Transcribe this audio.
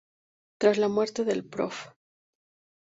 Tras la muerte del Prof.